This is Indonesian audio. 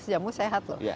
jamu sehat loh